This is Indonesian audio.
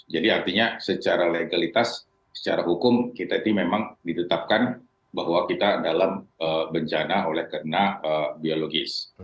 jadi artinya secara legalitas secara hukum kita ini memang ditetapkan bahwa kita dalam bencana oleh kena biologis